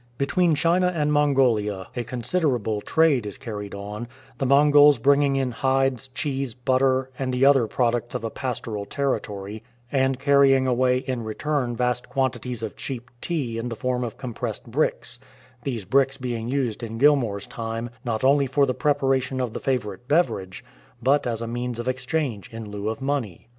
Between China and Mongolia a considerable trade is carried on, the Mongols bringing in hides, cheese, butter, and the other products of a pastoral territory, and carrying away in return vast quantities of cheap tea in the form of compressed bricks, these bricks being used in Gihnour's time not only for the preparation of the favourite beverage, but as a means of exchange in lieu of money.